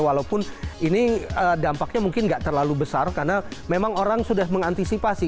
walaupun ini dampaknya mungkin nggak terlalu besar karena memang orang sudah mengantisipasi